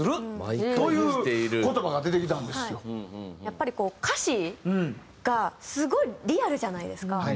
やっぱりこう歌詞がすごいリアルじゃないですか。